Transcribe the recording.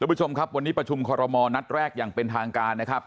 ผู้ชมครับวันนี้ประชุมคอรมอลนัดแรกอย่างเป็นทางการนะครับ